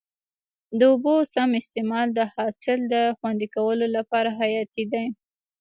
د اوبو سم استعمال د حاصل د خوندي کولو لپاره حیاتي دی.